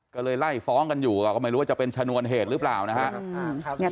ก็เลยไล่ฟ้องกันอยู่ก็ไม่รู้ว่าจะเป็นชนวนเหตุหรือเปล่านะครับ